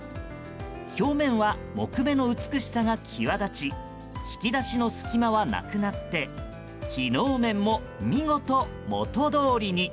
表面は木目の美しさが際立ち引き出しの隙間はなくなって機能面も見事、元どおりに。